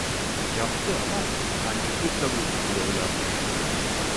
Yaptı ama kancıklıkla vurdu diyorlarmış!